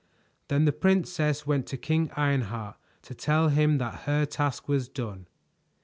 Then the princess went to King Ironheart to tell him that her task was done.